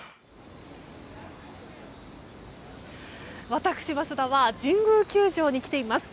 私、桝田は神宮球場に来ています。